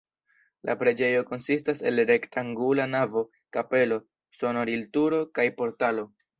La preĝejo konsistas el rektangula navo, kapelo, sonorilturo kaj portalo.